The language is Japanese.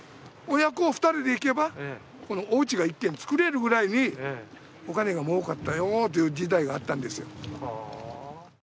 親子２人で行けばこのおうちが１軒つくれるぐらいにお金が儲かったよという時代があったんですよ